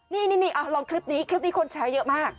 นี่ลองคลิปนี้คลิปนี้คนแชร์เยอะมาก